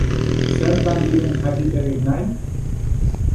Zertan diren jakiterik nahi?